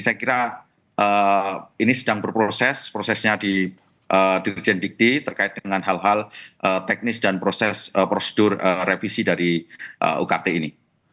saya kira ini sedang berproses prosesnya di dirjen dikti terkait dengan hal hal teknis dan proses prosedur revisi dari ukt ini